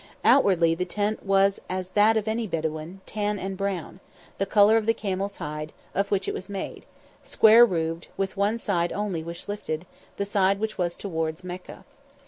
Outwardly the tent was as that of any Bedouin; tan and brown, the colour of the camel's hide, of which it was made; square roofed, with one side only which lifted, the side which was towards Mecca.